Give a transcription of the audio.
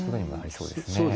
そうですね。